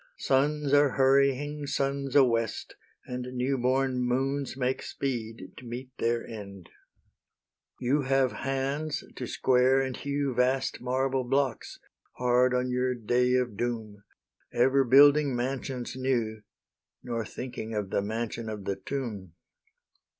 Suns are hurrying suns a west, And newborn moons make speed to meet their end. You have hands to square and hew Vast marble blocks, hard on your day of doom, Ever building mansions new, Nor thinking of the mansion of the tomb.